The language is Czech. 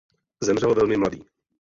Zemřel velmi mladý.